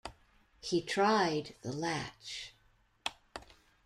He tried the latch.